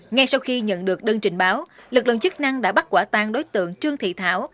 ngay sau khi nhận được đơn trình báo lực lượng chức năng đã bắt quả tang đối tượng trương thị thảo